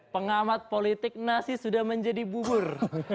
pengamat politik nasi sudah menjadi bubur